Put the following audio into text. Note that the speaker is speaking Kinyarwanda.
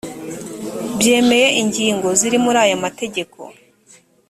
byemeye ingingo ziri muri aya mategeko